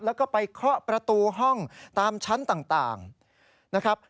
แล้วก็ไปเคาะประตูห้องตามชั้นต่างนะครับ